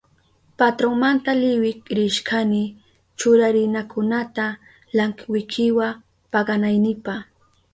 Patronmanta liwik rishkani churarinakunata lankwikiwa paganaynipa.